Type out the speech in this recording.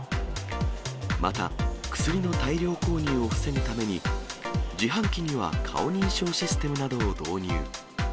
また薬の大量購入を防ぐために、自販機には顔認証システムなどを導入。